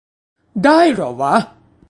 ได้เหรอวะ ?